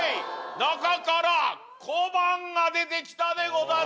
中から小判が出てきたでござる！